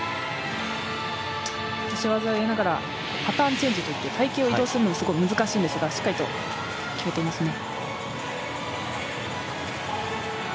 脚技を入れながら、パターンチェンジといって、隊形を移動するのが非常に難しいんですがしっかりと決めていますね。